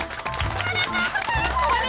おめでとうございます！